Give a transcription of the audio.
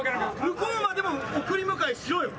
向こうまでも送り迎えしろよ！